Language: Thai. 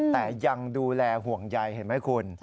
แต่ยังดูแลห่วงใยเห็นไหมคุณ